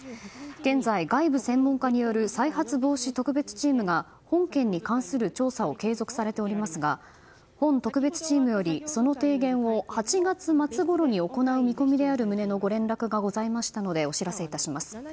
現在、外部専門家による再発防止特別チームが調査を行っていますが本特別チームによりその提言を８月末ごろに行うとご連絡がございましたのでお知らせいたします。